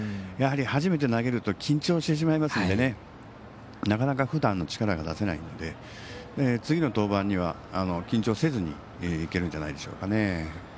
やはり初めて投げると緊張してしまいますのでなかなかふだんの力が出せないので、次の登板には緊張せずにいけるんじゃないでしょうかね。